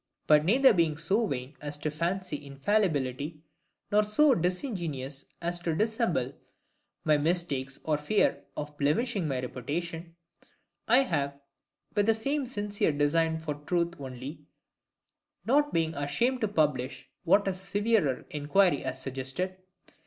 But neither being so vain as to fancy infallibility, nor so disingenuous as to dissemble my mistakes for fear of blemishing my reputation, I have, with the same sincere design for truth only, not been ashamed to publish what a severer inquiry has suggested.